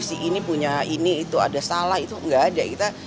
si ini punya ini itu ada salah itu nggak ada